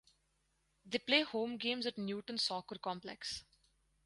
They play home games at Newton Soccer Complex.